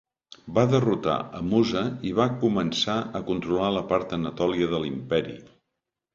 Va derrotar a Musa i va començar a controlar la part Anatòlia de l'imperi.